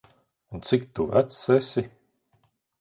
Un, cik tu vecs esi?